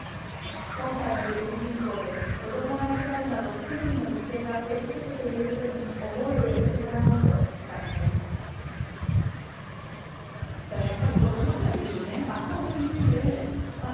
今回の軍事侵攻で子どもが亡くなるなど市民の犠牲が増え続けていることに思いを寄せてもらおうと企画されました。